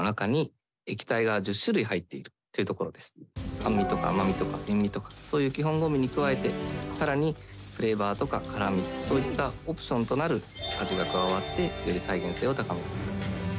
酸味とか甘味とか塩味とかそういう基本五味に加えて更にフレーバーとか辛味そういったオプションとなる味が加わってより再現性を高めています。